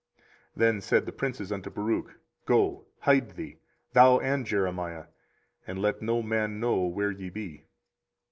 24:036:019 Then said the princes unto Baruch, Go, hide thee, thou and Jeremiah; and let no man know where ye be.